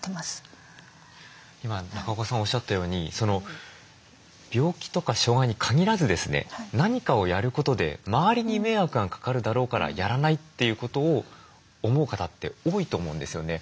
今中岡さんがおっしゃったように病気とか障害に限らずですね何かをやることで周りに迷惑がかかるだろうからやらないということを思う方って多いと思うんですよね。